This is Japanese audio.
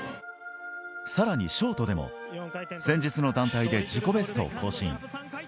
さらにショートでも先日の団体で自己ベストを更新。